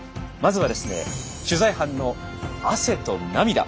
まずはですね取材班の汗と涙。